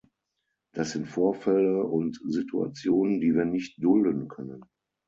Das sind Vorfälle und Situationen, die wir nicht dulden können.